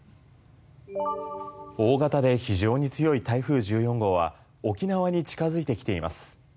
大型で非常に強い台風１４号は沖縄に近づいてきています。